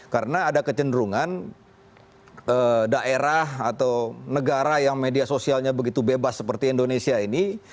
karena ada kecenderungan daerah atau negara yang media sosialnya begitu bebas seperti indonesia ini